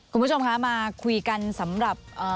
คุณผู้ชมคะมาคุยกันสำหรับ